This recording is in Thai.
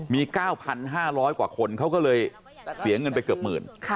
มี๙๕๐๐กว่าคนเขาก็เลยเสียเงินไปเกือบหมื่น